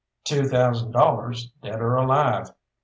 "Two thousand dollars dead or alive!